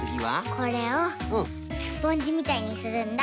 これをスポンジみたいにするんだ。